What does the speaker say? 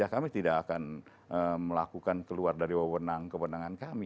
kami tidak akan melakukan keluar dari kewenangan kami